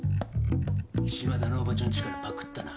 島田のおばちゃんちからパクったな。